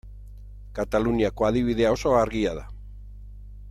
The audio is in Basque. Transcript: Kataluniako adibidea oso argia da.